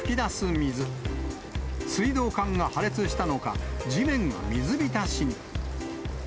水道管が破裂したのか、地面が水浸しに。